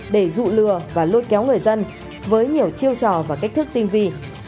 để dụ lừa và lôi kéo người dân với nhiều chiêu trò và cách thức tinh vi